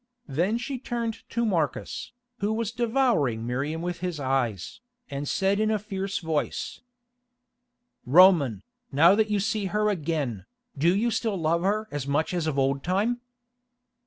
Then she turned to Marcus, who was devouring Miriam with his eyes, and said in a fierce voice: "Roman, now that you see her again, do you still love her as much as of old time?"